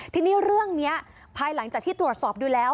ทีนี้เรื่องนี้ภายหลังจากที่ตรวจสอบดูแล้ว